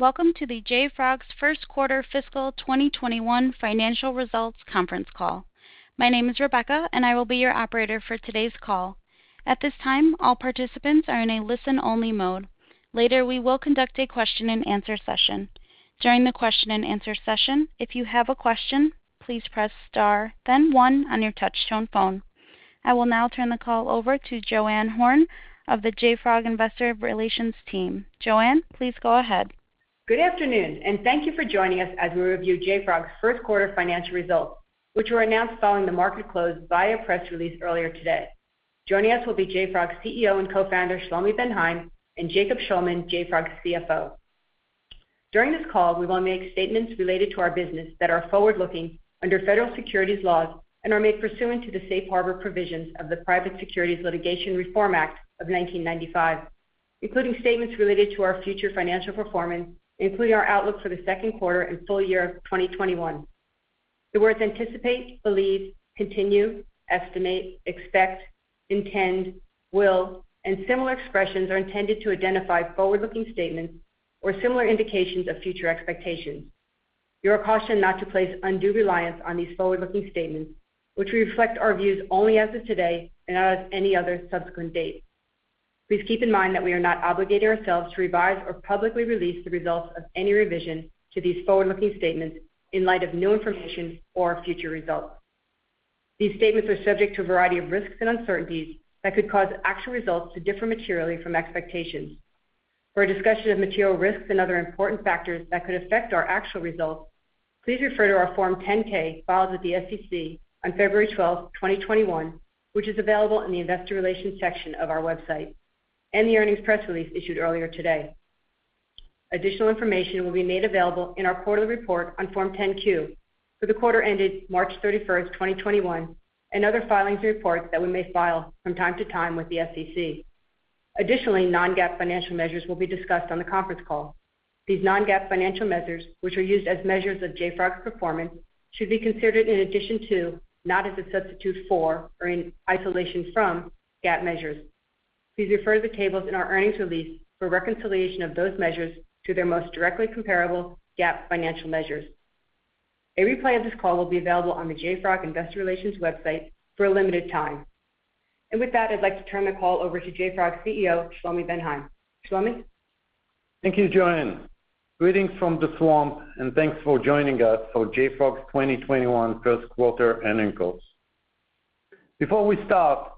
Welcome to the JFrog's first quarter fiscal 2021 financial results conference call. My name is Rebecca and I will be your operator for todays call. At this time, all participants are in a listen only mode. Later we will conduct a question and answer session. During the question and answer session, if you have a question, please press star then one on your touchtone phone. For today I will now turn the call over to JoAnn Horne of the JFrog Investor Relations team. JoAnn, please go ahead. Good afternoon, and thank you for joining us as we review JFrog's first quarter financial results, which were announced following the market close via press release earlier today. Joining us will be JFrog CEO and co-founder, Shlomi Ben Haim, and Jacob Shulman, JFrog's CFO. During this call, we will make statements related to our business that are forward-looking under federal securities laws and are made pursuant to the safe harbor provisions of the Private Securities Litigation Reform Act of 1995, including statements related to our future financial performance, including our outlook for the second quarter and full year of 2021. The words anticipate, believe, continue, estimate, expect, intend, will, and similar expressions are intended to identify forward-looking statements or similar indications of future expectations. You are cautioned not to place undue reliance on these forward-looking statements, which reflect our views only as of today and not as of any other subsequent date. Please keep in mind that we are not obligated ourselves to revise or publicly release the results of any revision to these forward-looking statements in light of new information or future results. These statements are subject to a variety of risks and uncertainties that could cause actual results to differ materially from expectations. For a discussion of material risks and other important factors that could affect our actual results, please refer to our Form 10-K filed with the SEC on February 12, 2021, which is available in the investor relations section of our website, and the earnings press release issued earlier today. Additional information will be made available in our quarterly report on Form 10-Q for the quarter ended March 31st, 2021, and other filings and reports that we may file from time to time with the SEC. Additionally, non-GAAP financial measures will be discussed on the conference call. These non-GAAP financial measures, which are used as measures of JFrog's performance, should be considered in addition to, not as a substitute for or in isolation from, GAAP measures. Please refer to the tables in our earnings release for a reconciliation of those measures to their most directly comparable GAAP financial measures. A replay of this call will be available on the JFrog Investor Relations website for a limited time. With that, I'd like to turn the call over to JFrog CEO, Shlomi Ben Haim. Shlomi? Thank you, JoAnn. Greetings from the Swamp, and thanks for joining us for JFrog's 2021 first quarter earnings calls. Before we start,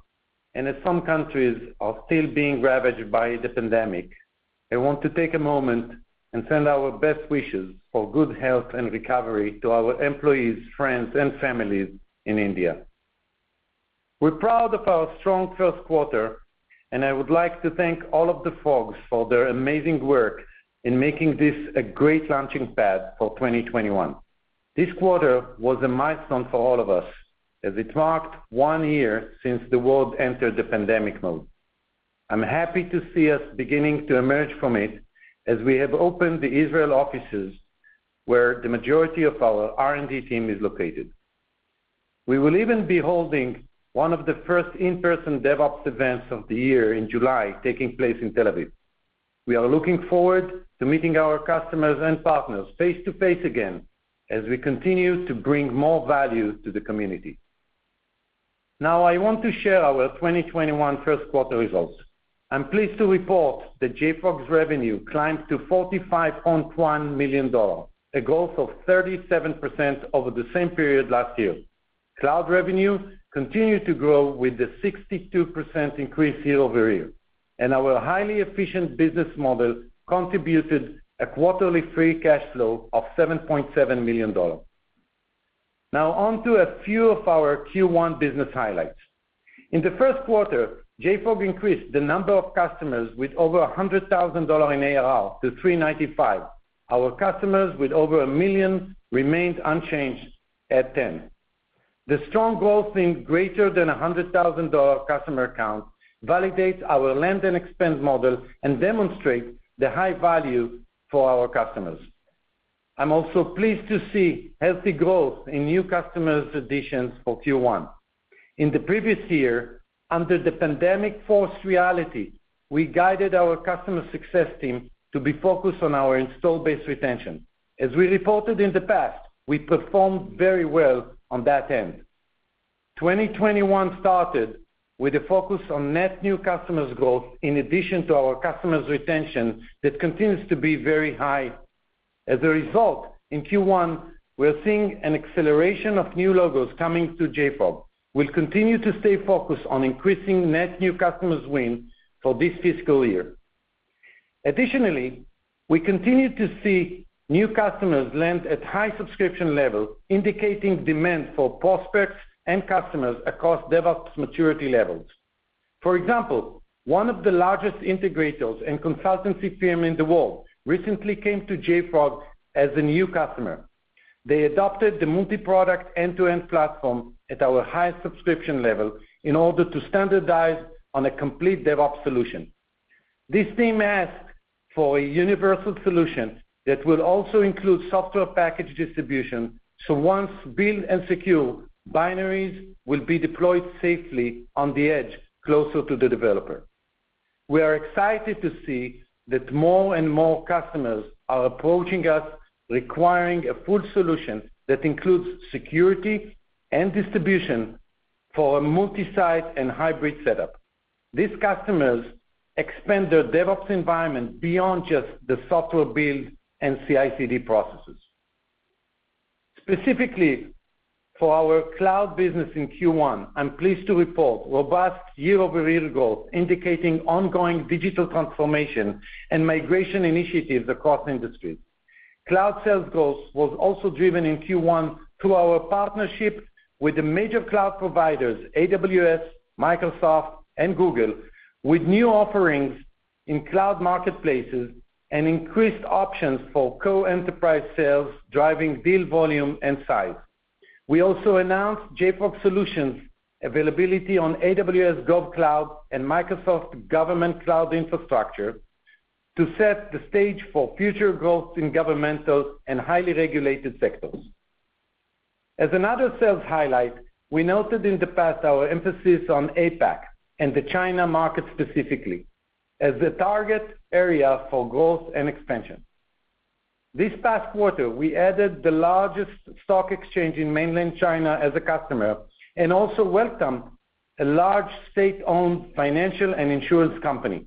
and as some countries are still being ravaged by the pandemic, I want to take a moment and send our best wishes for good health and recovery to our employees, friends, and families in India. We're proud of our strong first quarter, and I would like to thank all of the Frogs for their amazing work in making this a great launching pad for 2021. This quarter was a milestone for all of us as it marked one year since the world entered the pandemic mode. I'm happy to see us beginning to emerge from it as we have opened the Israel offices, where the majority of our R&D team is located. We will even be holding one of the first in-person DevOps events of the year in July, taking place in Tel Aviv. We are looking forward to meeting our customers and partners face to face again as we continue to bring more value to the community. I want to share our 2021 first quarter results. I'm pleased to report that JFrog's revenue climbed to $45.1 million, a growth of 37% over the same period last year. Cloud revenue continued to grow with a 62% increase year-over-year. Our highly efficient business model contributed a quarterly free cash flow of $7.7 million. Onto a few of our Q1 business highlights. In the first quarter, JFrog increased the number of customers with over $100,000 in ARR to 395. Our customers with over $1 million remained unchanged at 10. The strong growth in greater than $100,000 customer accounts validates our land and expand model and demonstrates the high value for our customers. I'm also pleased to see healthy growth in new customers additions for Q1. In the previous year, under the pandemic-forced reality, we guided our customer success team to be focused on our install base retention. As we reported in the past, we performed very well on that end. 2021 started with a focus on net new customers growth in addition to our customers retention that continues to be very high. As a result, in Q1, we're seeing an acceleration of new logos coming to JFrog. We'll continue to stay focused on increasing net new customers wins for this fiscal year. Additionally, we continue to see new customers land at high subscription levels, indicating demand for prospects and customers across DevOps maturity levels. For example, one of the largest integrators and consultancy PM in the world recently came to JFrog as a new customer. They adopted the multi-product end-to-end platform at our highest subscription level in order to standardize on a complete DevOps solution. This team asked for a universal solution that will also include software package distribution, so once built and secure, binaries will be deployed safely on the edge closer to the developer. We are excited to see that more and more customers are approaching us requiring a full solution that includes security and distribution for a multi-site and hybrid setup. These customers expand their DevOps environment beyond just the software build and CI/CD processes. Specifically, for our cloud business in Q1, I'm pleased to report robust year-over-year growth indicating ongoing digital transformation and migration initiatives across industries. Cloud sales growth was also driven in Q1 through our partnership with the major cloud providers, AWS, Microsoft, and Google, with new offerings in cloud marketplaces and increased options for co-enterprise sales, driving deal volume and size. We also announced JFrog solutions availability on AWS GovCloud and Microsoft Government Cloud Infrastructure to set the stage for future growth in governmental and highly regulated sectors. As another sales highlight, we noted in the past our emphasis on APAC and the China market specifically, as the target area for growth and expansion. This past quarter, we added the largest stock exchange in mainland China as a customer and also welcomed a large state-owned financial and insurance company.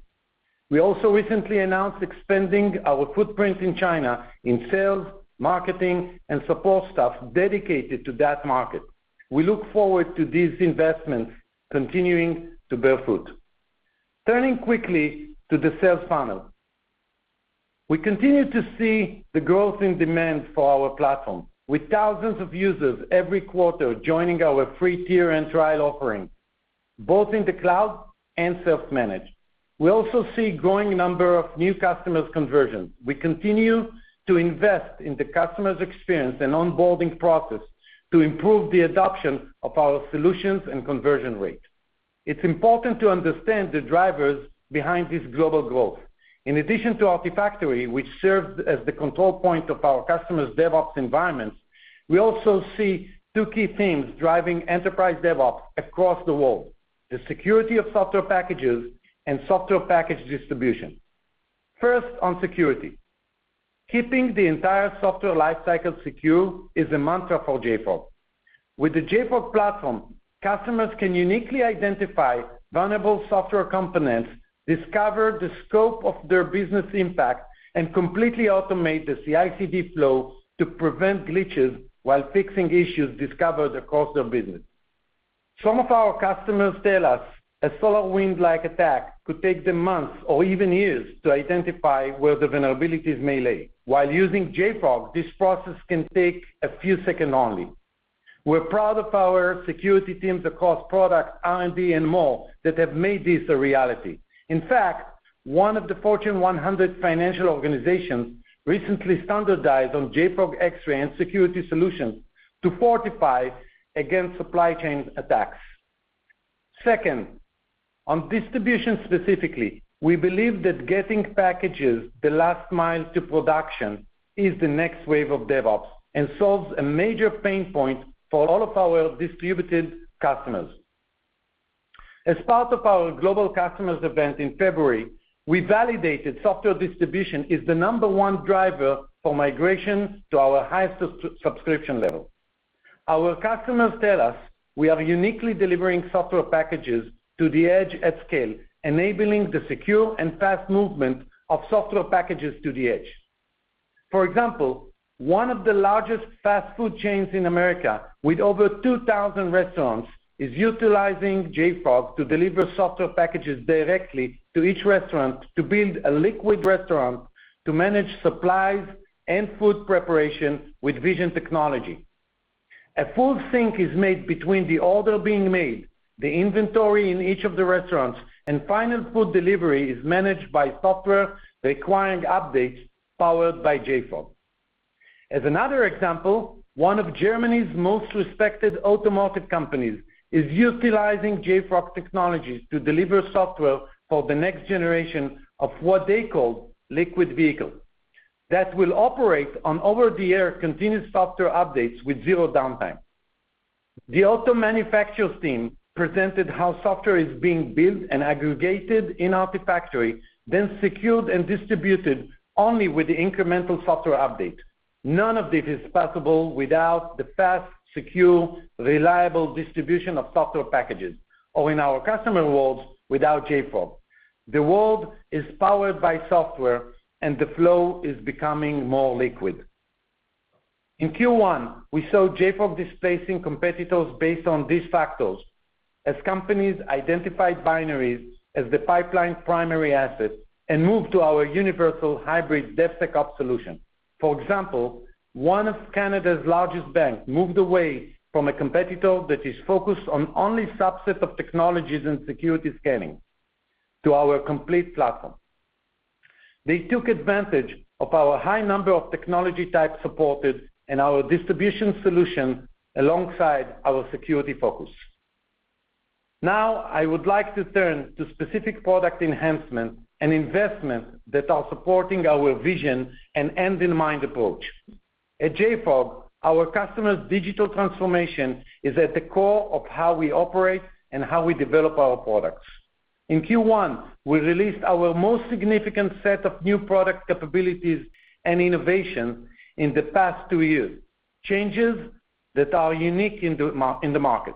We also recently announced expanding our footprint in China in sales, marketing, and support staff dedicated to that market. We look forward to these investments continuing to bear fruit. Turning quickly to the sales funnel. We continue to see the growth in demand for our platform, with thousands of users every quarter joining our free tier and trial offering, both in the cloud and self-managed. We also see growing number of new customers conversion. We continue to invest in the customers' experience and onboarding process to improve the adoption of our solutions and conversion rate. It's important to understand the drivers behind this global growth. In addition to Artifactory, which serves as the control point of our customers' DevOps environments, we also see two key themes driving enterprise DevOps across the world, the security of software packages and software package distribution. First, on security. Keeping the entire software lifecycle secure is a mantra for JFrog. With the JFrog Platform, customers can uniquely identify vulnerable software components, discover the scope of their business impact, and completely automate the CI/CD flow to prevent glitches while fixing issues discovered across their business. Some of our customers tell us a SolarWinds-like attack could take them months or even years to identify where the vulnerabilities may lay. While using JFrog, this process can take a few second only. We're proud of our security teams across product, R&D, and more that have made this a reality. In fact, one of the Fortune 100 financial organizations recently standardized on JFrog Xray and security solutions to fortify against supply chain attacks. Second, on distribution specifically, we believe that getting packages the last mile to production is the next wave of DevOps and solves a major pain point for all of our distributed customers. As part of our global customers event in February, we validated software distribution is the number one driver for migrations to our highest subscription level. Our customers tell us we are uniquely delivering software packages to the edge at scale, enabling the secure and fast movement of software packages to the edge. For example, one of the largest fast food chains in America with over 2,000 restaurants is utilizing JFrog to deliver software packages directly to each restaurant to build a liquid restaurant to manage supplies and food preparation with vision technology. A full sync is made between the order being made, the inventory in each of the restaurants, and final food delivery is managed by software requiring updates powered by JFrog. As another example, one of Germany's most respected automotive companies is utilizing JFrog technologies to deliver software for the next generation of what they call liquid vehicle. That will operate on over-the-air continuous software updates with zero downtime. The auto manufacturer's team presented how software is being built and aggregated in Artifactory, then secured and distributed only with the incremental software update. None of this is possible without the fast, secure, reliable distribution of software packages, or in our customer world, without JFrog. The world is powered by software, and the flow is becoming more liquid. In Q1, we saw JFrog displacing competitors based on these factors as companies identified binaries as the pipeline's primary asset and moved to our universal hybrid DevSecOps solution. For example, one of Canada's largest banks moved away from a competitor that is focused on only subset of technologies and security scanning to our complete platform. They took advantage of our high number of technology types supported and our distribution solution alongside our security focus. I would like to turn to specific product enhancements and investments that are supporting our vision and end-in-mind approach. At JFrog, our customers' digital transformation is at the core of how we operate and how we develop our products. In Q1, we released our most significant set of new product capabilities and innovation in the past two years, changes that are unique in the market.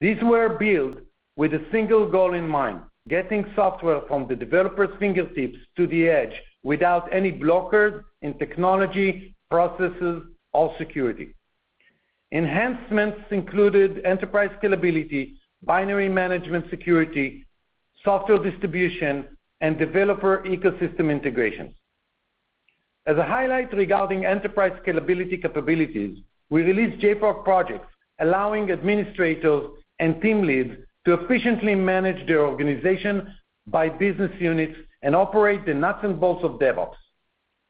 These were built with a single goal in mind, getting software from the developer's fingertips to the edge without any blockers in technology, processes, or security. Enhancements included enterprise scalability, binary management security, software distribution, and developer ecosystem integrations. As a highlight regarding enterprise scalability capabilities, we released JFrog Projects, allowing administrators and team leads to efficiently manage their organization by business units and operate the nuts and bolts of DevOps,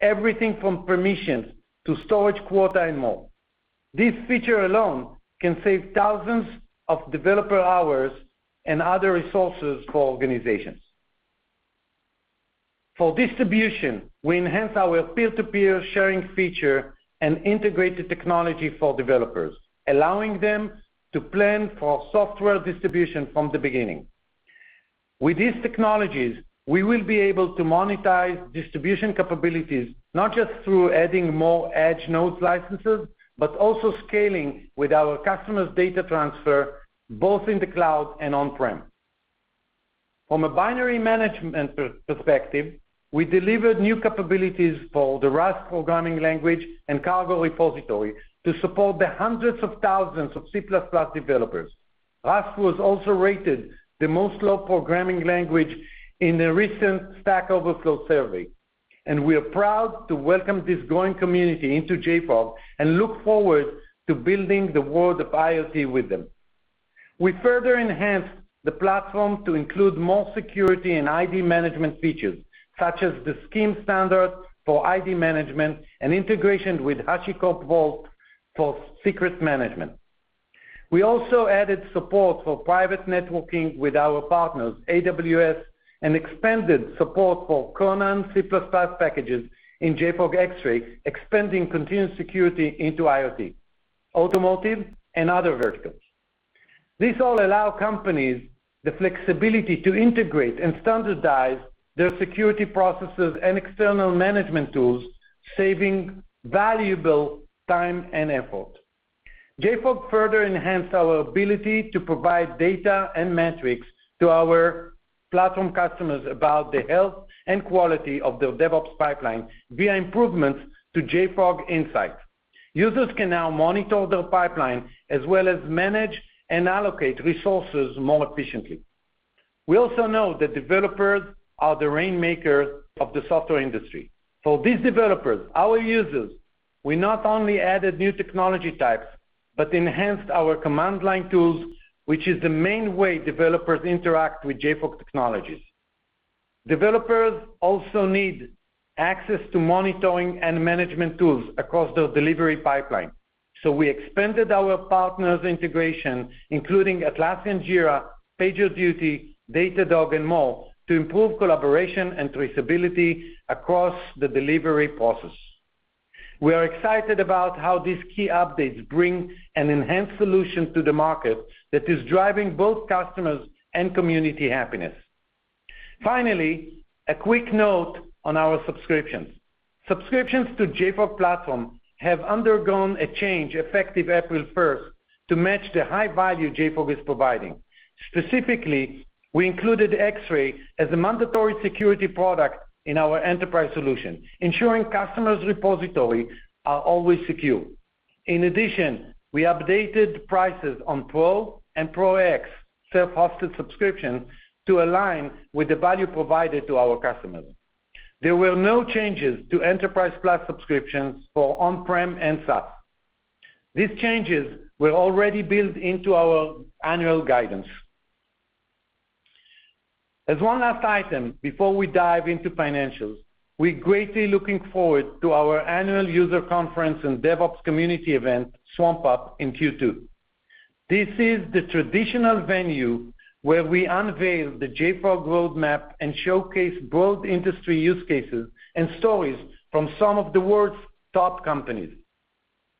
everything from permissions to storage quota and more. This feature alone can save thousands of developer hours and other resources for organizations. Distribution, we enhanced our peer-to-peer sharing feature and integrated technology for developers, allowing them to plan for software distribution from the beginning. With these technologies, we will be able to monetize distribution capabilities, not just through adding more edge node licenses, but also scaling with our customers' data transfer, both in the cloud and on-prem. A binary management perspective, we delivered new capabilities for the Rust programming language and Cargo repository to support the hundreds of thousands of C++ developers. Rust was also rated the most loved programming language in a recent Stack Overflow survey, we are proud to welcome this growing community into JFrog and look forward to building the world of IoT with them. We further enhanced the platform to include more security and ID management features, such as the SCIM standard for ID management and integration with HashiCorp Vault for secrets management. We also added support for private networking with our partners, AWS, and expanded support for Conan C++ packages in JFrog Xray, expanding continuous security into IoT, automotive, and other verticals. These all allow companies the flexibility to integrate and standardize their security processes and external management tools, saving valuable time and effort. JFrog further enhanced our ability to provide data and metrics to our platform customers about the health and quality of their DevOps pipeline via improvements to JFrog Insight. Users can now monitor their pipeline as well as manage and allocate resources more efficiently. We also know that developers are the rainmaker of the software industry. For these developers, our users, we not only added new technology types, but enhanced our command line tools, which is the main way developers interact with JFrog technologies. We expanded our partners' integration, including Atlassian Jira, PagerDuty, Datadog, and more, to improve collaboration and traceability across the delivery process. We are excited about how these key updates bring an enhanced solution to the market that is driving both customers and community happiness. Finally, a quick note on our subscriptions. Subscriptions to JFrog Platform have undergone a change effective April 1st to match the high value JFrog is providing. Specifically, we included Xray as a mandatory security product in our Enterprise solution, ensuring customers' repositories are always secure. In addition, we updated prices on Pro and Pro X self-hosted subscriptions to align with the value provided to our customers. There were no changes to Enterprise+ subscriptions for on-prem and SaaS. These changes were already built into our annual guidance. As one last item before we dive into financials, we're greatly looking forward to our annual user conference and DevOps community event, swampUP, in Q2. This is the traditional venue where we unveil the JFrog roadmap and showcase both industry use cases and stories from some of the world's top companies.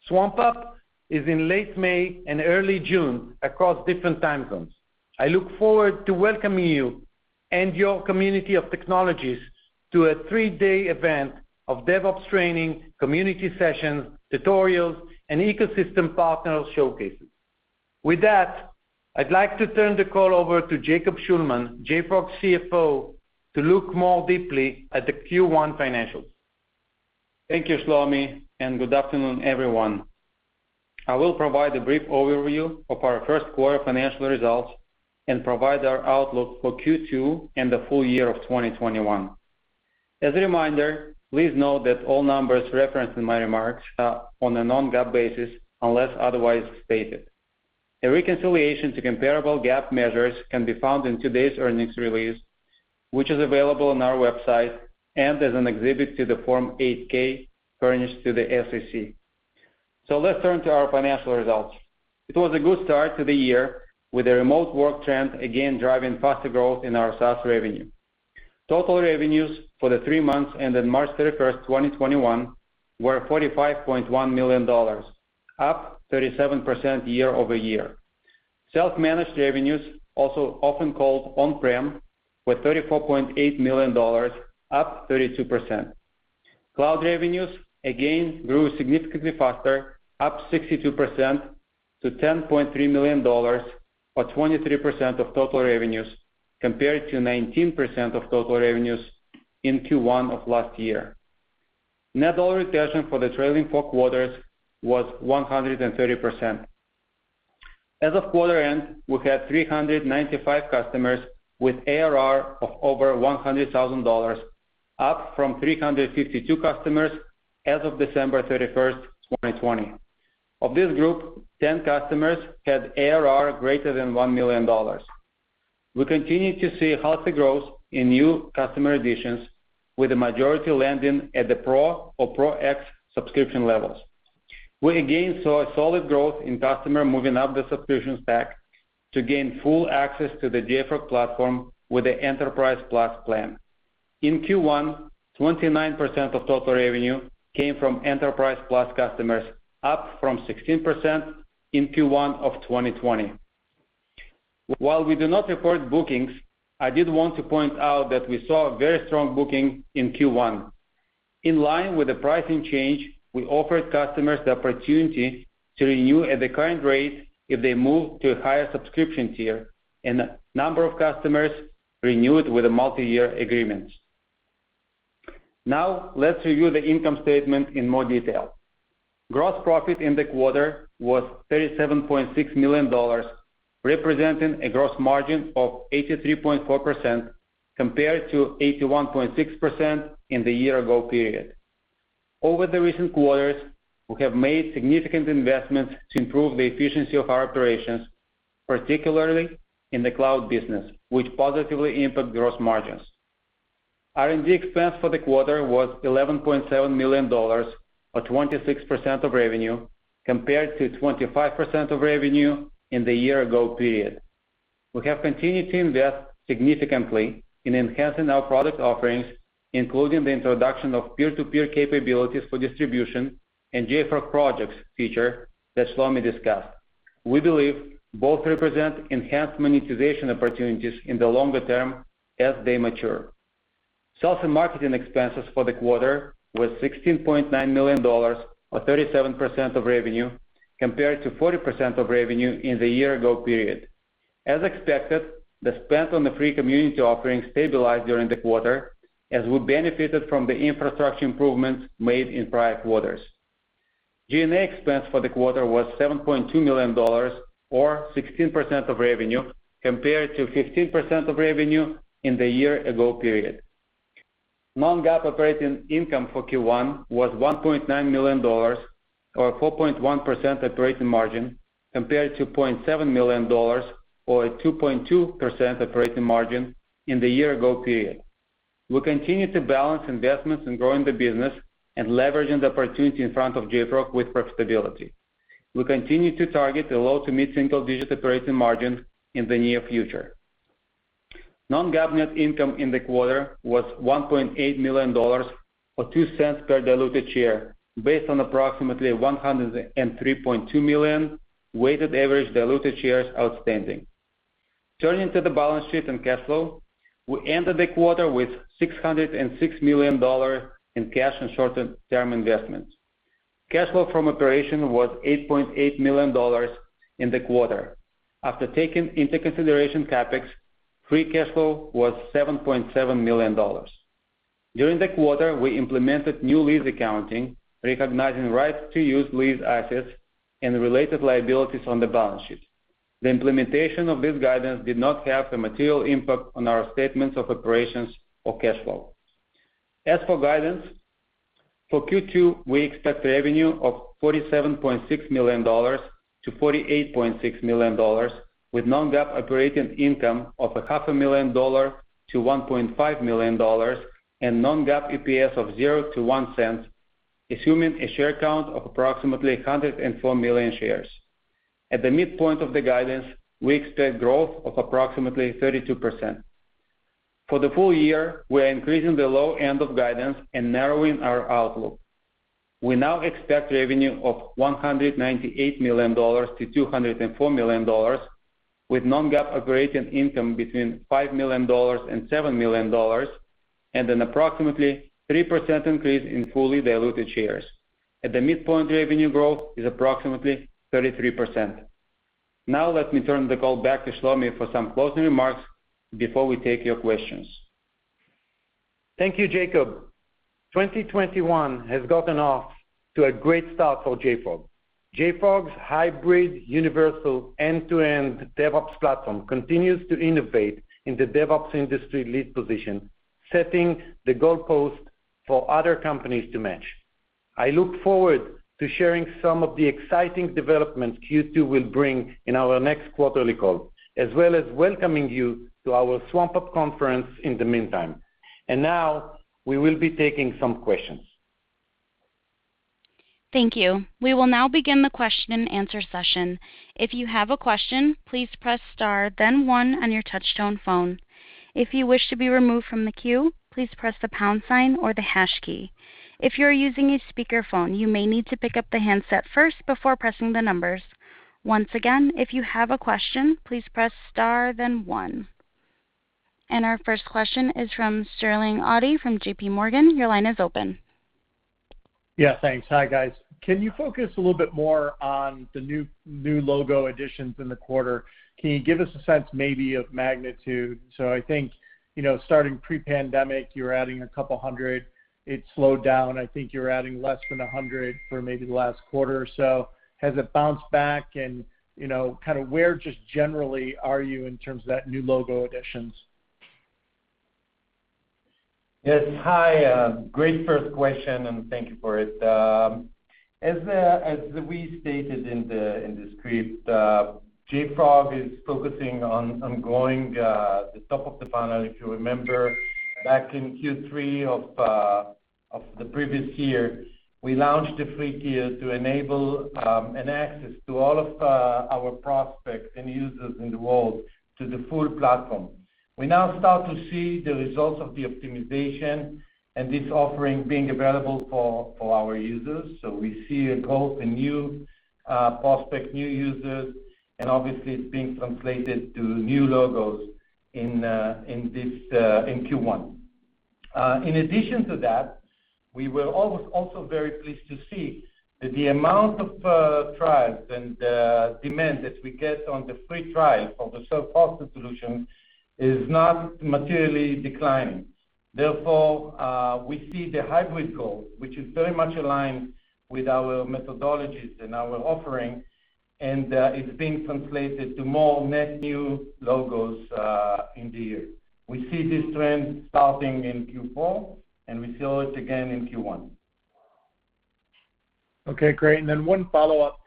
swampUP is in late May and early June across different time zones. I look forward to welcoming you and your community of technologies to a three-day event of DevOps training, community sessions, tutorials, and ecosystem partner showcases. With that, I'd like to turn the call over to Jacob Shulman, JFrog's CFO, to look more deeply at the Q1 financials. Thank you, Shlomi, and good afternoon, everyone. I will provide a brief overview of our first quarter financial results and provide our outlook for Q2 and the full year of 2021. As a reminder, please note that all numbers referenced in my remarks are on a non-GAAP basis, unless otherwise stated. A reconciliation to comparable GAAP measures can be found in today's earnings release, which is available on our website and as an exhibit to the Form 8-K furnished to the SEC. Let's turn to our financial results. It was a good start to the year with the remote work trend again driving faster growth in our SaaS revenue. Total revenues for the three months ended March 31st, 2021 were $45.1 million, up 37% year-over-year. Self-managed revenues, also often called on-prem, were $34.8 million, up 32%. Cloud revenues again grew significantly faster, up 62% to $10.3 million, or 23% of total revenues, compared to 19% of total revenues in Q1 of last year. Net dollar retention for the trailing four quarters was 130%. As of quarter end, we had 395 customers with ARR of over $100,000, up from 352 customers as of December 31, 2020. Of this group, 10 customers had ARR greater than $1 million. We continue to see healthy growth in new customer additions with the majority landing at the Pro or Pro X subscription levels. We again saw solid growth in customer moving up the subscription stack to gain full access to the JFrog Platform with the Enterprise+ plan. In Q1, 29% of total revenue came from Enterprise+ customers, up from 16% in Q1 of 2020. While we do not report bookings, I did want to point out that we saw a very strong booking in Q1. In line with the pricing change, we offered customers the opportunity to renew at the current rate if they move to a higher subscription tier, and a number of customers renewed with a multi-year agreement. Let's review the income statement in more detail. Gross profit in the quarter was $37.6 million, representing a gross margin of 83.4% compared to 81.6% in the year ago period. Over the recent quarters, we have made significant investments to improve the efficiency of our operations, particularly in the cloud business, which positively impact gross margins. R&D expense for the quarter was $11.7 million, or 26% of revenue, compared to 25% of revenue in the year ago period. We have continued to invest significantly in enhancing our product offerings, including the introduction of peer-to-peer capabilities for distribution and JFrog Projects feature that Shlomi discussed. We believe both represent enhanced monetization opportunities in the longer term as they mature. Sales and marketing expenses for the quarter were $16.9 million, or 37% of revenue, compared to 40% of revenue in the year-ago period. As expected, the spend on the free community offering stabilized during the quarter as we benefited from the infrastructure improvements made in prior quarters. G&A expense for the quarter was $7.2 million or 16% of revenue, compared to 15% of revenue in the year-ago period. non-GAAP operating income for Q1 was $1.9 million or 4.1% operating margin, compared to $0.7 million or a 2.2% operating margin in the year-ago period. We continue to balance investments in growing the business and leveraging the opportunity in front of JFrog with profitability. We continue to target a low to mid single-digit operating margin in the near future. Non-GAAP net income in the quarter was $1.8 million, or $0.02 per diluted share based on approximately 103.2 million weighted average diluted shares outstanding. Turning to the balance sheet and cash flow, we ended the quarter with $606 million in cash and short-term investments. Cash flow from operation was $8.8 million in the quarter. After taking into consideration CapEx, free cash flow was $7.7 million. During the quarter, we implemented new lease accounting, recognizing right to use lease assets and related liabilities on the balance sheet. The implementation of this guidance did not have a material impact on our statements of operations or cash flow. As for guidance, for Q2, we expect revenue of $47.6 million-$48.6 million, with non-GAAP operating income of a $500,000-$1.5 million, and non-GAAP EPS of $0-$0.01, assuming a share count of approximately 104 million shares. At the midpoint of the guidance, we expect growth of approximately 32%. For the full year, we are increasing the low end of guidance and narrowing our outlook. We now expect revenue of $198 million-$204 million, with non-GAAP operating income between $5 million and $7 million, and an approximately 3% increase in fully diluted shares. At the midpoint, revenue growth is approximately 33%. Let me turn the call back to Shlomi for some closing remarks before we take your questions. Thank you, Jacob. 2021 has gotten off to a great start for JFrog. JFrog's hybrid universal end-to-end DevOps platform continues to innovate in the DevOps industry lead position, setting the goalpost for other companies to match. I look forward to sharing some of the exciting developments Q2 will bring in our next quarterly call, as well as welcoming you to our swampUP conference in the meantime. Now we will be taking some questions. Thank you. We will now begin the question and answer session. If you have a question, please press star then one on your touchtone phone. If you wish to be removed from the queue, please press the pound sign or the hash key. If you're using a speakerphone, you may need to pick up the handset first before pressing the numbers. Once again, if you have a question, please press star then one. Our first question is from Sterling Auty from JPMorgan. Your line is open. Yeah, thanks. Hi, guys. Can you focus a little bit more on the new logo additions in the quarter? Can you give us a sense maybe of magnitude? I think, starting pre-pandemic, you were adding a couple hundred. It slowed down. I think you were adding less than 100 for maybe the last quarter or so. Has it bounced back and, kind of where just generally are you in terms of that new logo additions? Yes. Hi, great first question, and thank you for it. As we stated in the script, JFrog is focusing on going the top of the funnel. If you remember back in Q3 of the previous year, we launched the free tier to enable an access to all of our prospects and users in the world to the full Platform. We now start to see the results of the optimization and this offering being available for our users. We see a growth in new prospect, new users, and obviously it's being translated to new logos in Q1. In addition to that, we were also very pleased to see that the amount of trials and the demand that we get on the free trial of the self-hosted solution is not materially declining. Therefore, we see the hybrid growth, which is very much aligned with our methodologies and our offering, and it's being translated to more net new logos in the year. We see this trend starting in Q4, and we saw it again in Q1. Okay, great. One follow-up.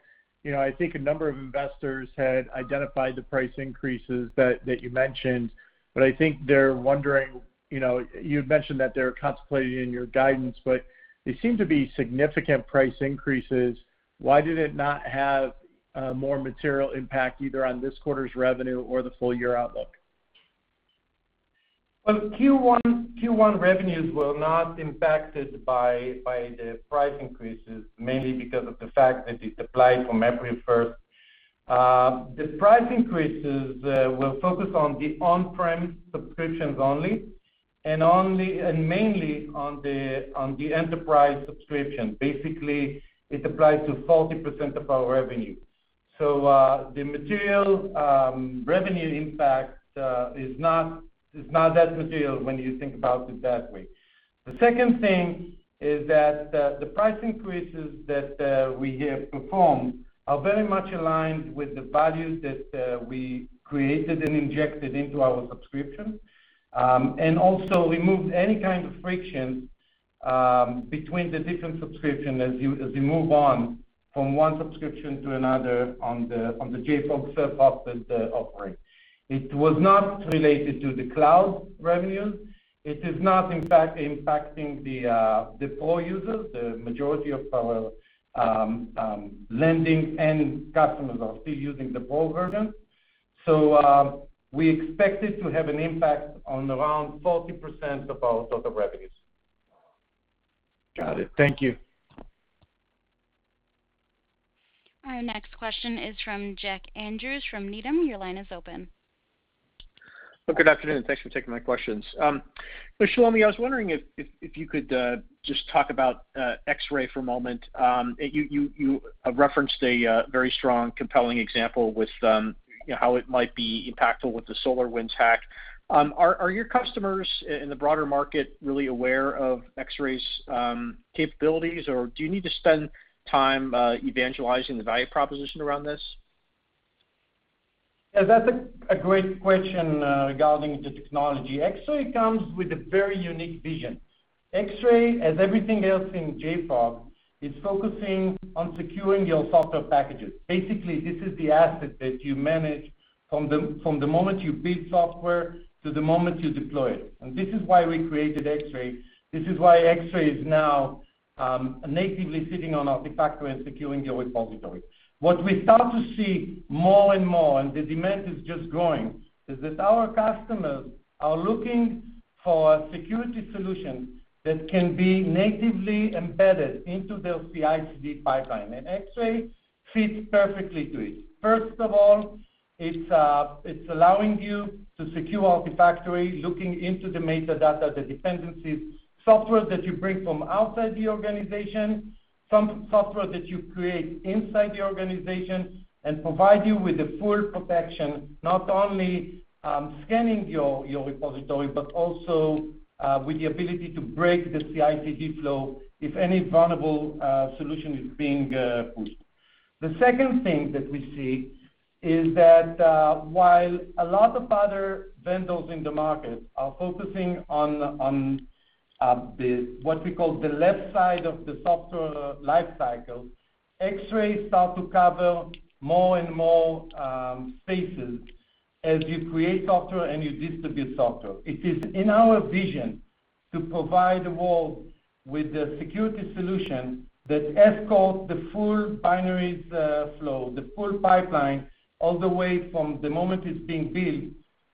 I think a number of investors had identified the price increases that you mentioned, but I think they're wondering, you had mentioned that they were contemplated in your guidance, but they seem to be significant price increases. Why did it not have more material impact either on this quarter's revenue or the full year outlook? Well, Q1 revenues were not impacted by the price increases, mainly because of the fact that it applied from April 1st. The price increases will focus on the on-prem subscriptions only and mainly on the Enterprise subscription. Basically, it applies to 40% of our revenue. The material revenue impact is not that material when you think about it that way. The second thing is that the price increases that we have performed are very much aligned with the values that we created and injected into our subscription. Also removed any kind of friction between the different subscription as you move on from one subscription to another on the JFrog self-hosted offering. It was not related to the cloud revenues. It is not impacting the Pro users. The majority of our lending end customers are still using the Pro version. We expect it to have an impact on around 40% of our total revenues. Got it. Thank you. Our next question is from Jack Andrews from Needham. Your line is open. Good afternoon. Thanks for taking my questions. Shlomi, I was wondering if you could just talk about Xray for a moment. You referenced a very strong, compelling example with how it might be impactful with the SolarWinds hack. Are your customers in the broader market really aware of Xray's capabilities, or do you need to spend time evangelizing the value proposition around this? That's a great question regarding the technology. Xray comes with a very unique vision. Xray, as everything else in JFrog, is focusing on securing your software packages. Basically, this is the asset that you manage from the moment you build software to the moment you deploy it. This is why we created Xray. This is why Xray is now natively sitting on Artifactory and securing your repository. What we start to see more and more, and the demand is just growing, is that our customers are looking for security solutions that can be natively embedded into their CI/CD pipeline, and Xray fits perfectly to it. First of all, it's allowing you to secure Artifactory, looking into the metadata, the dependencies, software that you bring from outside the organization, some software that you create inside the organization, and provide you with the full protection, not only scanning your repository, but also with the ability to break the CI/CD flow if any vulnerable solution is being pushed. The second thing that we see is that while a lot of other vendors in the market are focusing on what we call the left side of the software life cycle, Xray start to cover more and more spaces as you create software and you distribute software. It is in our vision to provide the world with a security solution that escorts the full binaries flow, the full pipeline, all the way from the moment it's being built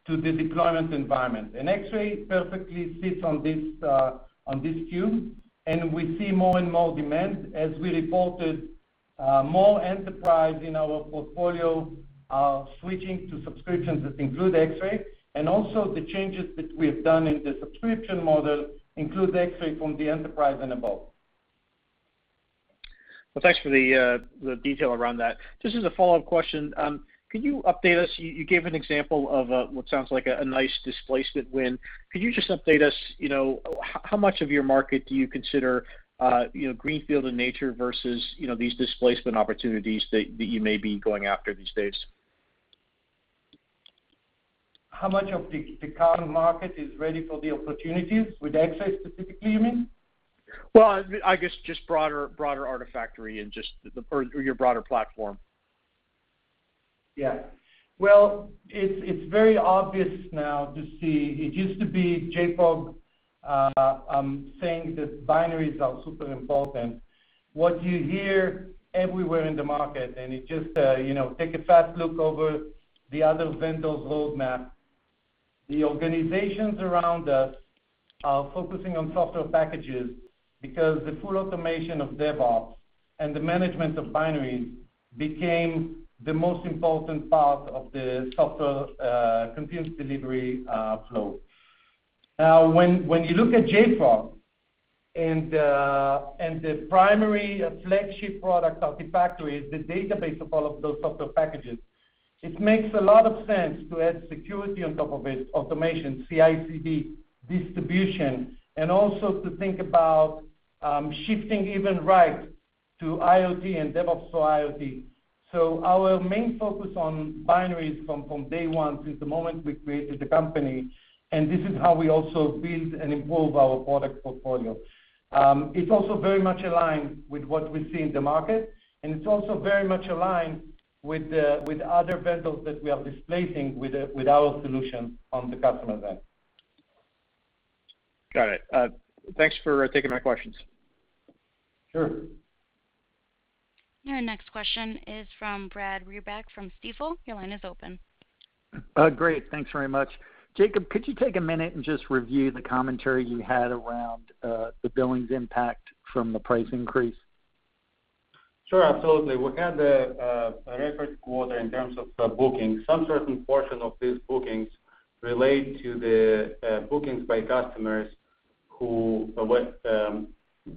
to the deployment environment. Xray perfectly sits on this cube, and we see more and more demand as we reported more Enterprise in our portfolio are switching to subscriptions that include Xray. Also the changes that we have done in the subscription model include Xray from the Enterprise and above. Well, thanks for the detail around that. Just as a follow-up question, could you update us? You gave an example of what sounds like a nice displacement win. Could you just update us, how much of your market do you consider greenfield in nature versus these displacement opportunities that you may be going after these days? How much of the current market is ready for the opportunities with Xray specifically, you mean? Well, I guess just broader Artifactory and just, or your broader platform. Yeah. Well, it's very obvious now to see. It used to be JFrog saying that binaries are super important. What you hear everywhere in the market, take a fast look over the other vendors' roadmaps. The organizations around us are focusing on software packages because the full automation of DevOps and the management of binaries became the most important part of the software continuous delivery flow. When you look at JFrog and the primary flagship product, Artifactory, the database of all of those software packages, it makes a lot of sense to add security on top of it, automation, CI/CD distribution, and also to think about shifting even right to IoT and DevOps for IoT. Our main focus on binaries from day one, since the moment we created the company, and this is how we also build and evolve our product portfolio. It's also very much aligned with what we see in the market, and it's also very much aligned with other vendors that we are displacing with our solution on the customer side. Got it. Thanks for taking my questions. Sure. Your next question is from Brad Reback from Stifel. Your line is open. Great. Thanks very much. Jacob, could you take a minute and just review the commentary you had around the billings impact from the price increase? Sure. Absolutely. We had a record quarter in terms of bookings. Some certain portion of these bookings relate to the bookings by customers who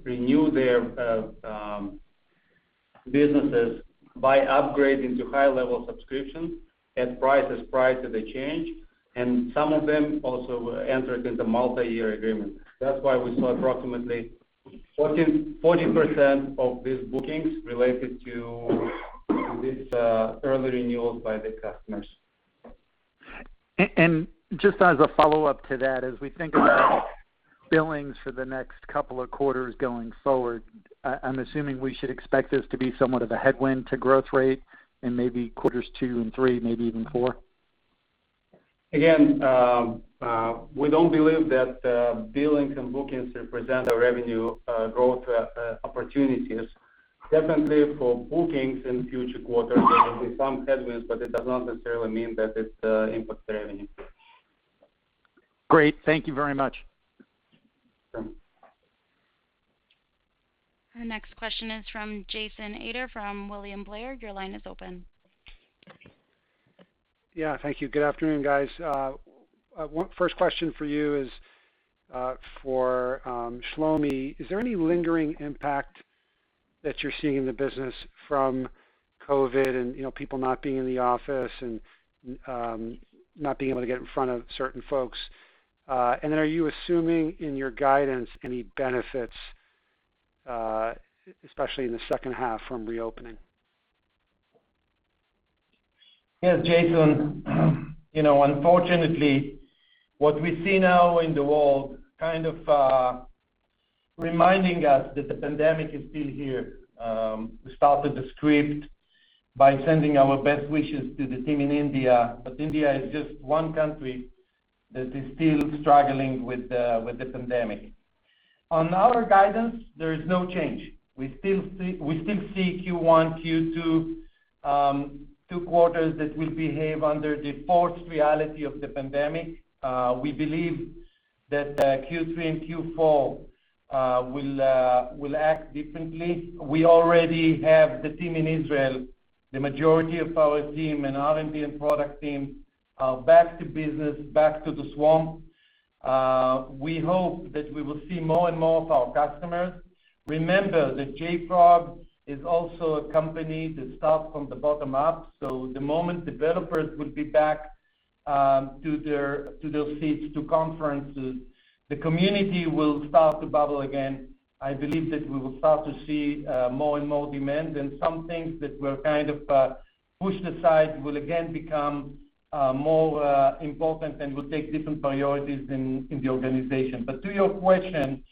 renew their businesses by upgrading to higher level subscriptions at prices prior to the change, and some of them also entered into multi-year agreement. That's why we saw approximately 40% of these bookings related to these early renewals by the customers. Just as a follow-up to that, as we think about billings for the next couple of quarters going forward, I'm assuming we should expect this to be somewhat of a headwind to growth rate in maybe quarters two and three, maybe even four? We don't believe that billings and bookings represent our revenue growth opportunities. Definitely for bookings in future quarters, there will be some headwinds, but it does not necessarily mean that it impacts revenue. Great. Thank you very much. Sure. Our next question is from Jason Ader from William Blair. Your line is open. Yeah, thank you. Good afternoon, guys. First question for you is for Shlomi. Is there any lingering impact that you're seeing in the business from COVID and people not being in the office and not being able to get in front of certain folks? Are you assuming in your guidance any benefits, especially in the second half, from reopening? Yes, Jason. Unfortunately, what we see now in the world, kind of reminding us that the pandemic is still here. We started the script by sending our best wishes to the team in India. India is just one country that is still struggling with the pandemic. On our guidance, there is no change. We still see Q1, Q2, two quarters that will behave under the forced reality of the pandemic. We believe that Q3 and Q4 will act differently. We already have the team in Israel, the majority of our team and R&D and product team, back to business, back to the swamp. We hope that we will see more and more of our customers. Remember that JFrog is also a company that starts from the bottom up. The moment developers will be back to those seats, to conferences, the community will start to bubble again. I believe that we will start to see more and more demand, and some things that were kind of pushed aside will again become more important and will take different priorities in the organization. To your question,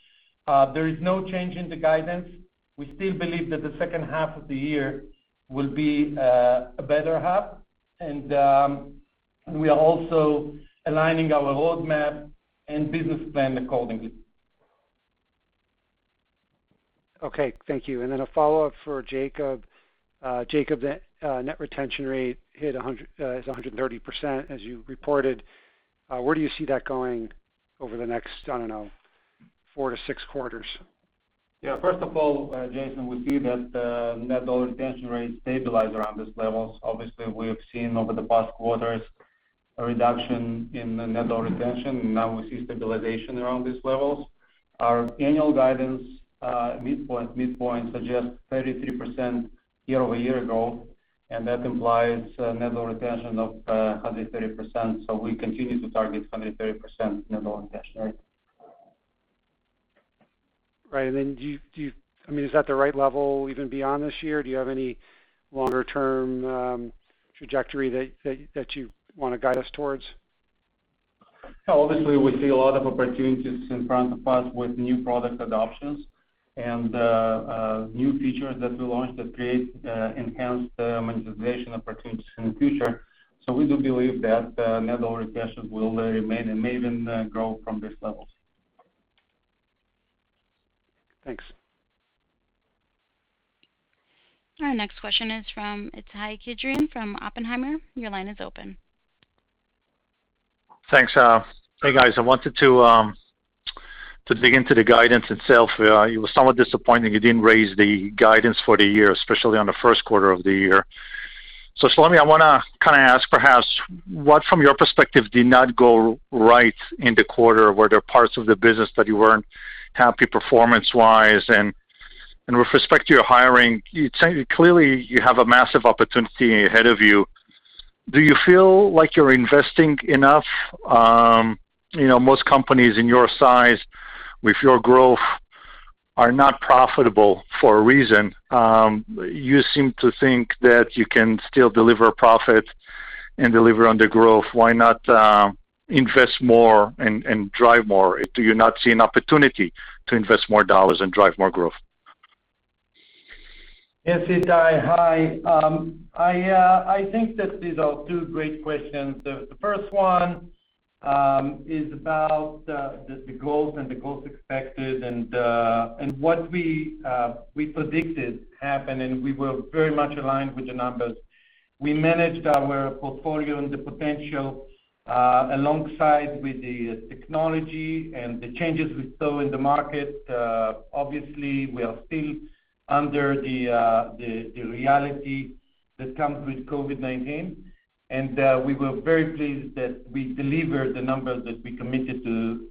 there is no change in the guidance. We still believe that the second half of the year will be a better half, and we are also aligning our roadmap and business plan accordingly. Okay, thank you. A follow-up for Jacob. Jacob, net retention rate is 130%, as you reported. Where do you see that going over the next, I don't know, four to six quarters? Yeah. First of all, Jason, we see that the net dollar retention rate stabilized around these levels. Obviously, we have seen over the past quarters a reduction in the net dollar retention. Now we see stabilization around these levels. Our annual guidance midpoint suggests 33% year-over-year growth. That implies net dollar retention of 130%, so we continue to target 130% net dollar retention rate. Right. Is that the right level even beyond this year? Do you have any longer-term trajectory that you want to guide us towards? Obviously, we see a lot of opportunities in front of us with new product adoptions and new features that we launched that create enhanced monetization opportunities in the future. We do believe that net dollar retention will remain and may even grow from these levels. Thanks. Our next question is from Ittai Kidron from Oppenheimer. Your line is open. Thanks. Hey, guys. I wanted to dig into the guidance itself. It was somewhat disappointing you didn't raise the guidance for the year, especially on the first quarter of the year. Shlomi, I want to kind of ask perhaps, what from your perspective did not go right in the quarter? Were there parts of the business that you weren't happy performance-wise? With respect to your hiring, clearly, you have a massive opportunity ahead of you. Do you feel like you're investing enough? Most companies in your size with your growth are not profitable for a reason. You seem to think that you can still deliver profit and deliver on the growth. Why not invest more and drive more? Do you not see an opportunity to invest more dollars and drive more growth? Yes, Ittai. Hi. I think that these are two great questions. The first one is about the growth and the growth expected and what we predicted happened, and we were very much aligned with the numbers. We managed our portfolio and the potential, alongside with the technology and the changes we saw in the market. Obviously, we are still under the reality that comes with COVID-19, and we were very pleased that we delivered the numbers that we committed to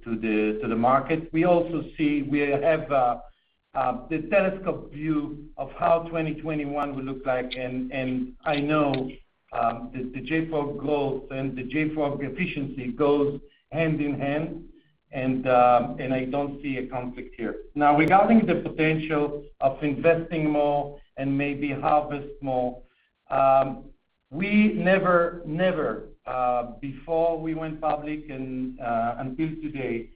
the market. We also see we have the telescope view of how 2021 will look like, and I know that the JFrog growth and the JFrog efficiency goes hand in hand, and I don't see a conflict here. Now, regarding the potential of investing more and maybe harvest more, we never, before we went public and until today,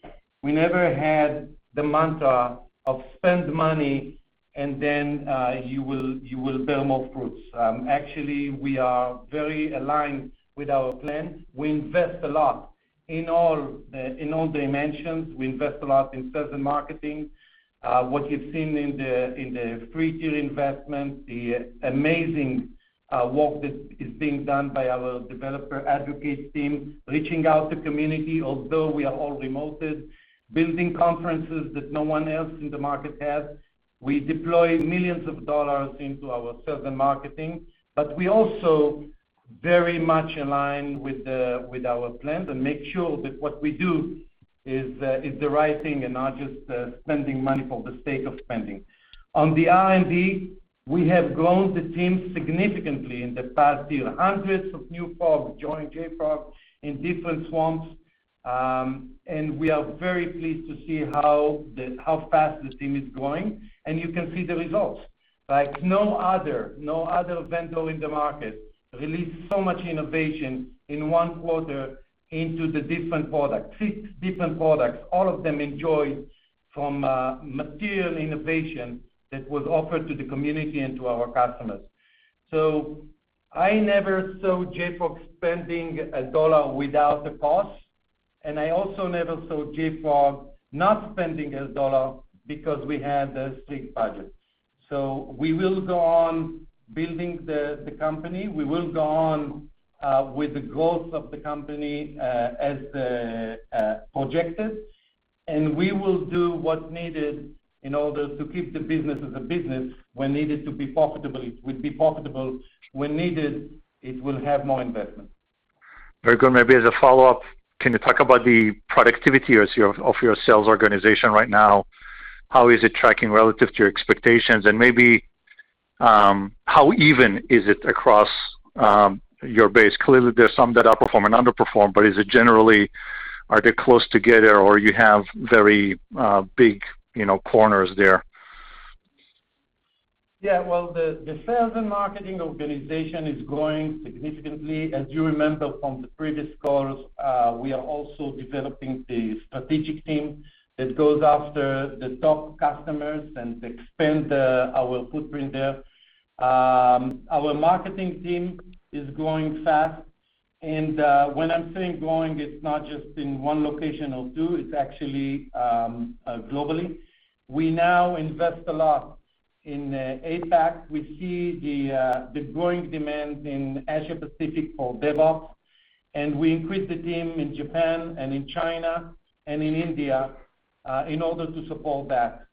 we never had the mantra of spend money and then you will bear more fruits. Actually, we are very aligned with our plan. We invest a lot in all dimensions. We invest a lot in certain marketing. What you've seen in the three-tier investment, the amazing work that is being done by our developer advocate team, reaching out to community, although we are all remoted, building conferences that no one else in the market has. We deploy millions of dollars into our certain marketing, but we also very much align with our plans and make sure that what we do is the right thing and not just spending money for the sake of spending. On the R&D, we have grown the team significantly in the past year. Hundreds of new frogs joined JFrog in different swamps. We are very pleased to see how fast this team is growing. You can see the results. No other vendor in the market released so much innovation in one quarter into the different products. Six different products, all of them enjoyed from material innovation that was offered to the community and to our customers. I never saw JFrog spending a dollar without a cause. I also never saw JFrog not spending a dollar because we had a strict budget. We will go on building the company, we will go on with the growth of the company as projected. We will do what's needed in order to keep the business as a business. When needed to be profitable, it will be profitable. When needed, it will have more investment. Very good. Maybe as a follow-up, can you talk about the productivity of your sales organization right now? How is it tracking relative to your expectations? Maybe how even is it across your base? Clearly, there are some that outperform and underperform, is it generally, are they close together or you have very big corners there? Yeah. Well, the sales and marketing organization is growing significantly. As you remember from the previous calls, we are also developing the strategic team that goes after the top customers and expand our footprint there. Our marketing team is growing fast, and when I'm saying growing, it's not just in one location or two, it's actually globally. We now invest a lot in APAC. We see the growing demand in Asia Pacific for DevOps, and we increased the team in Japan and in China and in India, in order to support that.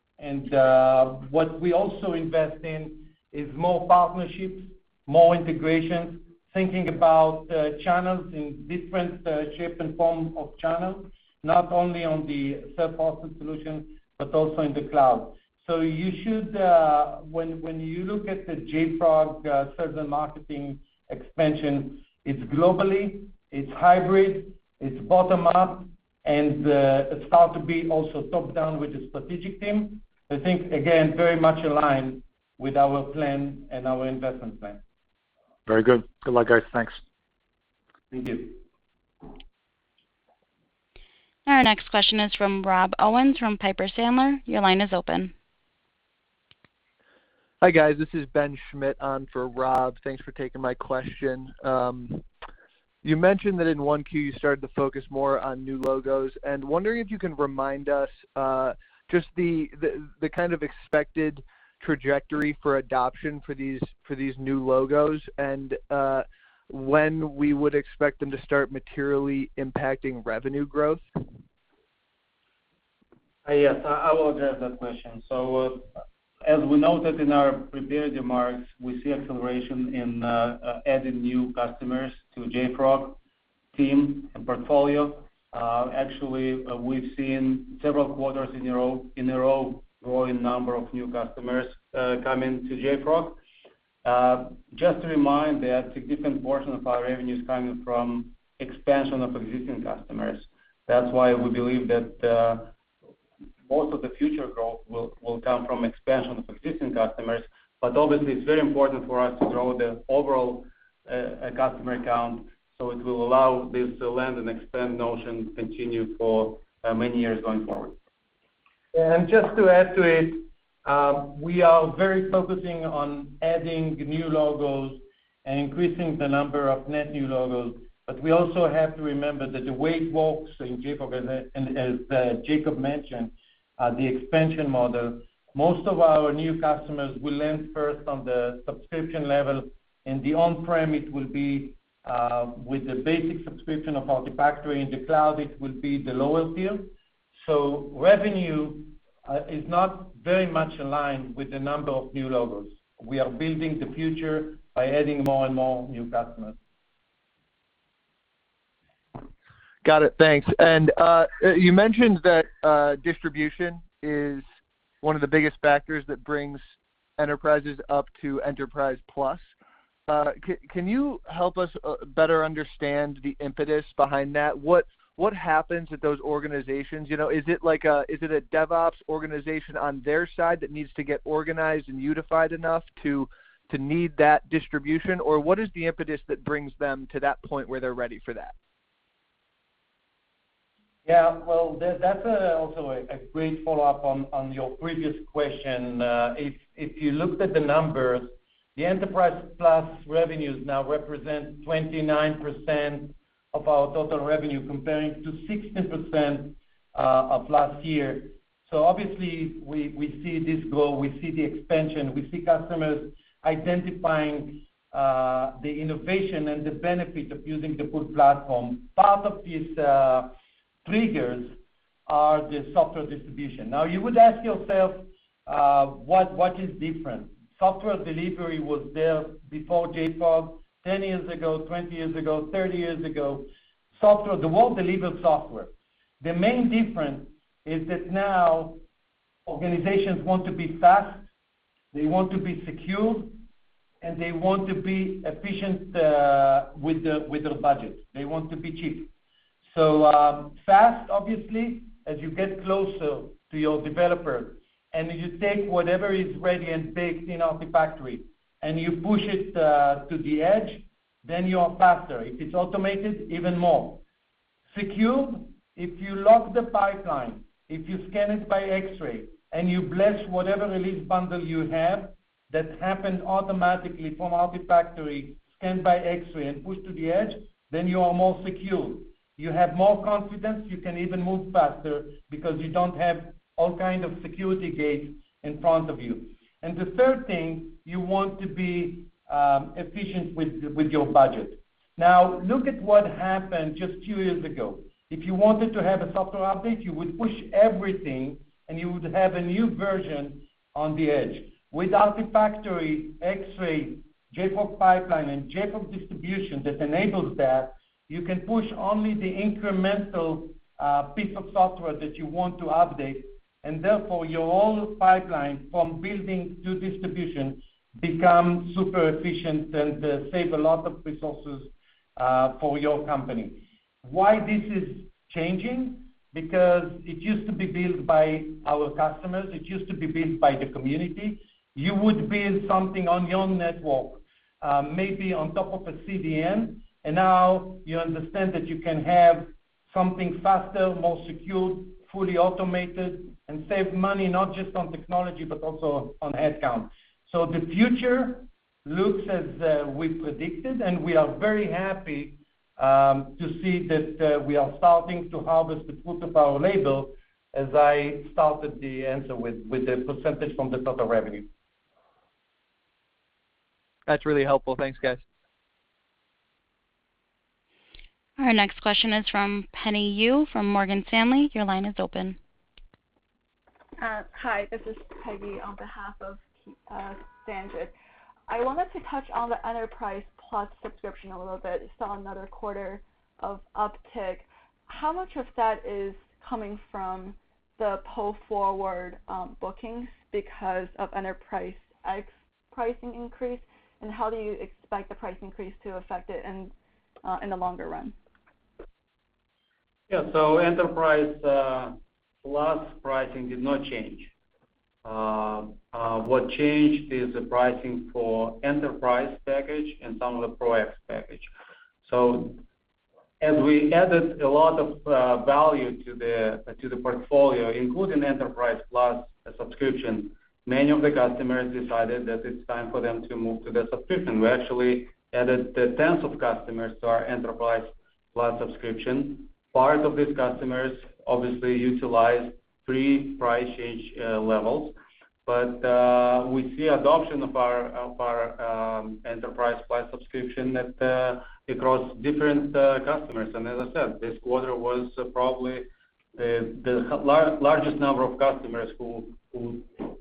What we also invest in is more partnerships, more integration, thinking about channels in different shape and form of channels, not only on the self-hosted solution, but also in the cloud. You should, when you look at the JFrog sales and marketing expansion, it's globally, it's hybrid, it's bottom up, and it start to be also top down with the strategic team. I think, again, very much aligned with our plan and our investment plan. Very good. Good luck, guys. Thanks. Thank you. Our next question is from Rob Owens from Piper Sandler. Your line is open. Hi, guys. This is Ben Schmitt on for Rob. Thanks for taking my question. You mentioned that in 1Q, you started to focus more on new logos. Wondering if you can remind us just the kind of expected trajectory for adoption for these new logos and when we would expect them to start materially impacting revenue growth. Yes. I will address that question. As we noted in our prepared remarks, we see acceleration in adding new customers to JFrog team and portfolio. Actually, we've seen several quarters in a row growing number of new customers coming to JFrog. Just to remind that a different portion of our revenue is coming from expansion of existing customers. That's why we believe that most of the future growth will come from expansion of existing customers. Obviously, it's very important for us to grow the overall customer account, so it will allow this land and expand notion to continue for many years going forward. Just to add to it, we are very focusing on adding new logos and increasing the number of net new logos. We also have to remember that the way it works in JFrog, as Jacob mentioned, the expansion model, most of our new customers will land first on the subscription level, and the on-prem, it will be with the basic subscription of Artifactory. In the cloud, it will be the lowest tier. Revenue is not very much aligned with the number of new logos. We are building the future by adding more and more new customers. Got it. Thanks. You mentioned that distribution is one of the biggest factors that brings enterprises up to Enterprise+. Can you help us better understand the impetus behind that? What happens at those organizations? Is it a DevOps organization on their side that needs to get organized and unified enough to need that distribution? What is the impetus that brings them to that point where they're ready for that? Yeah. Well, that's also a great follow-up on your previous question. If you looked at the numbers, the Enterprise+ revenues now represent 29% of our total revenue comparing to 16% of last year. Obviously, we see this growth, we see the expansion, we see customers identifying the innovation and the benefit of using the full platform. Part of these triggers are the software distribution. You would ask yourself, what is different? Software delivery was there before JFrog, 10 years ago, 20 years ago, 30 years ago. The world delivered software. The main difference is that now organizations want to be fast, they want to be secure, and they want to be efficient with their budget. They want to be cheap. Fast, obviously, as you get closer to your developer, and you take whatever is ready and baked in Artifactory, and you push it to the edge, then you are faster. If it's automated, even more. Secure, if you lock the pipeline, if you scan it by Xray, and you bless whatever release bundle you have that happened automatically from Artifactory scanned by Xray and pushed to the edge, then you are more secure. You have more confidence, you can even move faster because you don't have all kind of security gates in front of you. The third thing, you want to be efficient with your budget. Look at what happened just two years ago. If you wanted to have a software update, you would push everything, and you would have a new version on the edge. With Artifactory, Xray, JFrog Pipeline, and JFrog Distribution that enables that, you can push only the incremental piece of software that you want to update, and therefore, your whole pipeline from building to distribution becomes super efficient and save a lot of resources for your company. Why this is changing? Because it used to be built by our customers, it used to be built by the community. You would build something on your network, maybe on top of a CDN, and now you understand that you can have something faster, more secure, fully automated, and save money, not just on technology, but also on headcount. The future looks as we predicted, and we are very happy to see that we are starting to harvest the fruits of our labor as I started the answer with the percentage from the total revenue. That's really helpful. Thanks, guys. Our next question is from Peggy Yu from Morgan Stanley. Your line is open. Hi, this is Peggy on behalf of Sanjit Singh. I wanted to touch on the Enterprise+ subscription a little bit. You saw another quarter of uptick. How much of that is coming from the pull forward bookings because of Enterprise X pricing increase, and how do you expect the price increase to affect it in the longer run? Enterprise+ pricing did not change. What changed is the pricing for Enterprise X package and some of the Pro X package. As we added a lot of value to the portfolio, including Enterprise+ subscription, many of the customers decided that it's time for them to move to the subscription. We actually added tens of customers to our Enterprise+ subscription. Part of these customers obviously utilized pre-price change levels, but we see adoption of our Enterprise+ subscription across different customers. As I said, this quarter was probably the largest number of customers who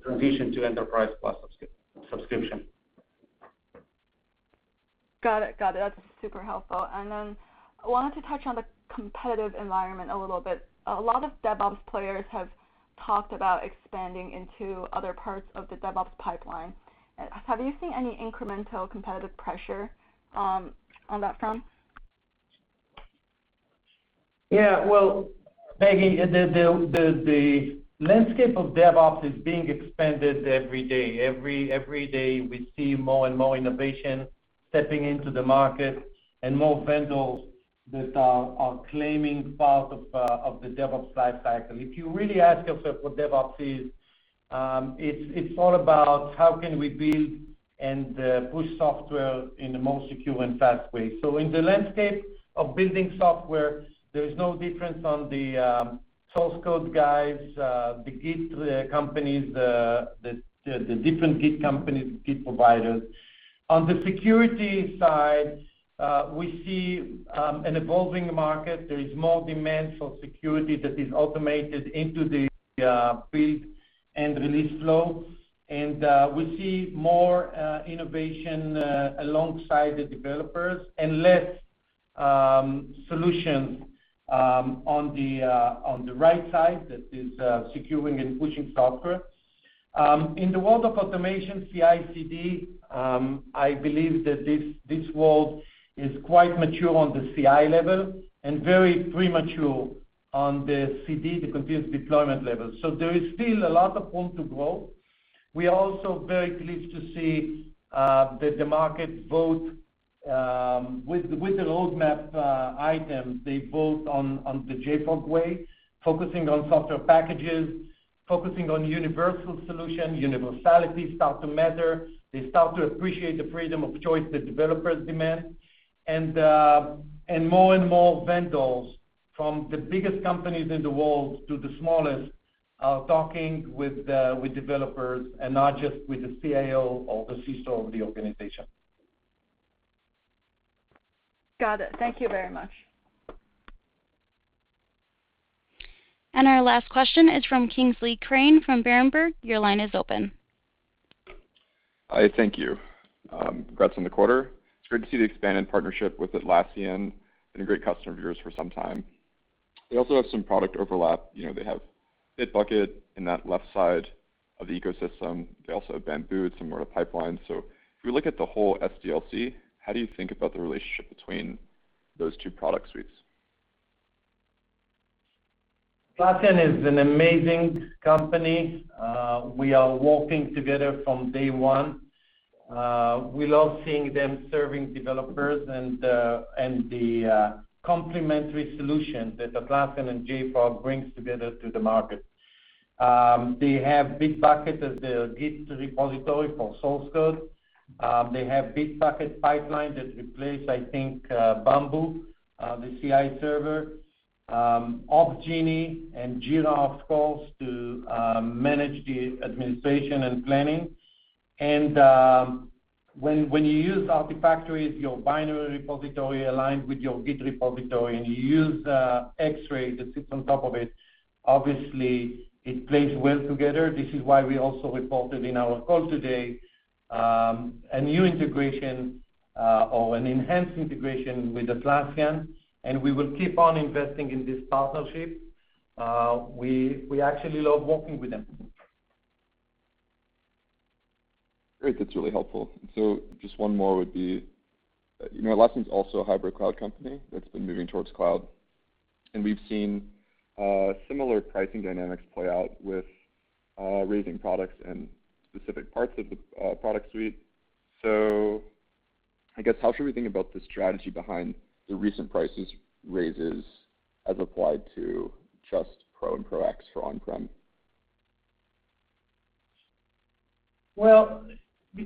transitioned to Enterprise+ subscription. Got it. That's super helpful. I wanted to touch on the competitive environment a little bit. A lot of DevOps players have talked about expanding into other parts of the DevOps pipeline. Have you seen any incremental competitive pressure on that front? Yeah. Well, Peggy Yu, the landscape of DevOps is being expanded every day. Every day, we see more and more innovation stepping into the market and more vendors that are claiming part of the DevOps lifecycle. If you really ask yourself what DevOps is, it's all about how can we build and push software in the most secure and fast way. In the landscape of building software, there is no difference on the source code guys, the Git companies, the different Git companies, Git providers. On the security side, we see an evolving market. There is more demand for security that is automated into the build and release flow, and we see more innovation alongside the developers and less solutions on the right side that is securing and pushing software. In the world of automation, CI/CD, I believe that this world is quite mature on the CI level and very premature on the CD, the continuous deployment level. There is still a lot of room to grow. We are also very pleased to see that the market vote with the roadmap items, they vote on the JFrog way, focusing on software packages, focusing on universal solution. Universalities start to matter. They start to appreciate the freedom of choice that developers demand. More and more vendors from the biggest companies in the world to the smallest are talking with developers and not just with the CIO or the CISO of the organization. Got it. Thank you very much. Our last question is from Kingsley Crane from Berenberg. Your line is open. Hi. Thank you. Congrats on the quarter. It's great to see the expanded partnership with Atlassian, been a great customer of yours for some time. They also have some product overlap. They have Bitbucket in that left side of the ecosystem. They also have Bamboo somewhere in the pipeline. If you look at the whole SDLC, how do you think about the relationship between those two product suites? Atlassian is an amazing company. We are working together from day one. We love seeing them serving developers and the complementary solutions that Atlassian and JFrog brings together to the market. They have Bitbucket as their Git repository for source code. They have Bitbucket Pipelines that replaced, I think, Bamboo, the CI server. Opsgenie and Jira, of course, to manage the administration and planning. When you use Artifactory as your binary repository aligned with your Git repository, and you use Xray that sits on top of it, obviously it plays well together. This is why we also reported in our call today, a new integration, or an enhanced integration with Atlassian, and we will keep on investing in this partnership. We actually love working with them. Great. That's really helpful. Just one more would be, Atlassian's also a hybrid cloud company that's been moving towards cloud, and we've seen similar pricing dynamics play out with raising products and specific parts of the product suite. I guess, how should we think about the strategy behind the recent prices raises as applied to just Pro and Pro X for on-prem?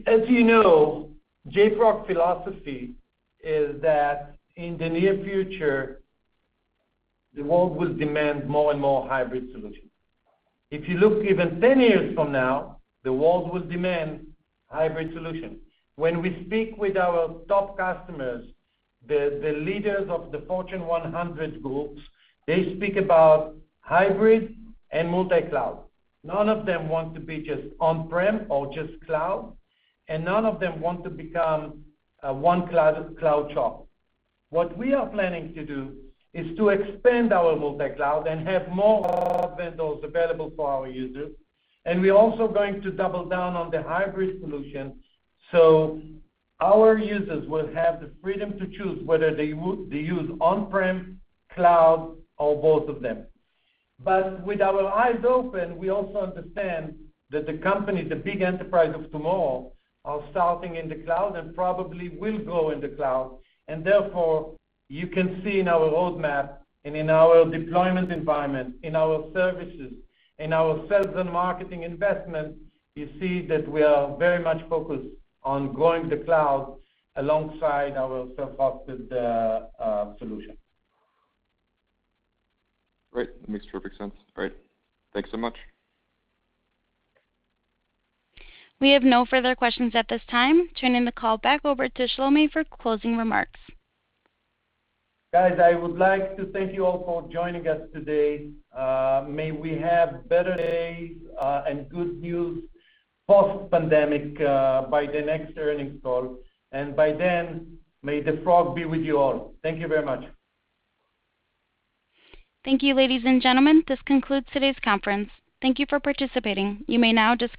As you know, JFrog philosophy is that in the near future, the world will demand more and more hybrid solutions. If you look even 10 years from now, the world will demand hybrid solutions. When we speak with our top customers, the leaders of the Fortune 100 groups, they speak about hybrid and multi-cloud. None of them want to be just on-prem or just cloud, and none of them want to become a one cloud shop. What we are planning to do is to expand our multi-cloud and have more vendors available for our users, and we're also going to double down on the hybrid solution so our users will have the freedom to choose whether they use on-prem, cloud, or both of them. With our eyes open, we also understand that the companies, the big enterprise of tomorrow, are starting in the cloud and probably will go in the cloud. Therefore, you can see in our roadmap and in our deployment environment, in our services, in our sales and marketing investment, you see that we are very much focused on growing the cloud alongside our self-hosted solution. Great. Makes perfect sense. All right. Thanks so much. We have no further questions at this time. Turning the call back over to Shlomi for closing remarks. Guys, I would like to thank you all for joining us today. May we have better days and good news post-pandemic by the next earnings call. By then, may the frog be with you all. Thank you very much. Thank you, ladies and gentlemen. This concludes today's conference. Thank you for participating. You may now disconnect.